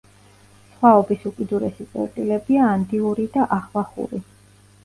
სხვაობის უკიდურესი წერტილებია ანდიური და ახვახური.